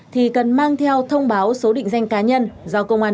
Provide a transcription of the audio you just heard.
thì cần mang theo thông báo số định danh cá nhân